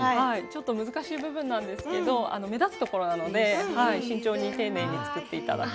ちょっと難しい部分なんですけど目立つところなので慎重に丁寧に作って頂くといいですね。